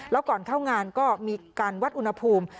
แล้วก่อนเข้างานก็มีการวัดอุณหภูมิ